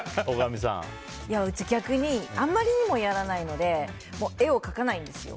うちは逆にあまりにもやらないので絵を描かないんですよ。